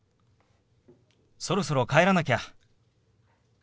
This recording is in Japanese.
そろそろ帰らなきゃ。